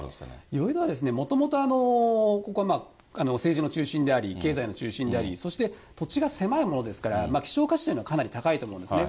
ヨイドはもともと、ここは政治の中心であり、経済の中心であり、そして土地が狭いものですから、希少価値というのはかなり高いと思うんですね。